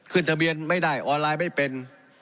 ทะเบียนไม่ได้ออนไลน์ไม่เป็น